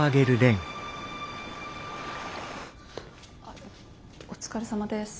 あっお疲れさまです。